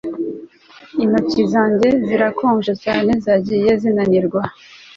Intoki zanjye zirakonje cyane zagiye zinanirwa